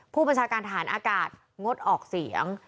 ผู้บัญชาการทหารอากาศงดออกเสียง